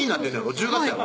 １０月やろ？